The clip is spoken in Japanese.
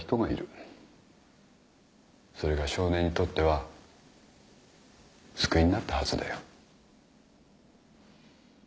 それが少年にとっては救いになったはずだよ。